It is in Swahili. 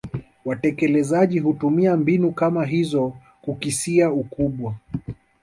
Watekelezaji hutumia mbinu kama hizo kukisia ukubwa